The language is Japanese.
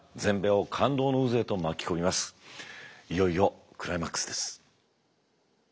いよいよクライマックスです。